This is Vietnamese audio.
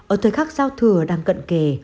ở thời khắc giao thừa đang cận kề